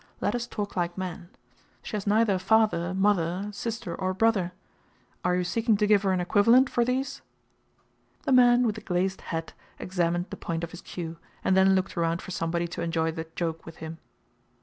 Let us talk like men. She has neither father, mother, sister, or brother. Are you seeking to give her an equivalent for these?" The man with the glazed hat examined the point of his cue, and then looked around for somebody to enjoy the joke with him.